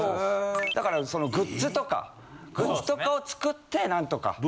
だからグッズとかグッズとかを作って何とか。